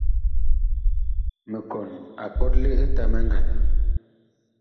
Mikɔn a pɔtle Etamɛ ngandag.